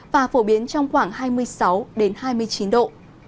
và phổ biến trong khoảng hai mươi sáu hai mươi chín độ